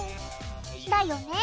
だよね！